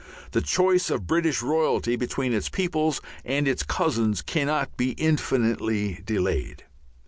The choice of British royalty between its peoples and its cousins cannot be indefinitely delayed.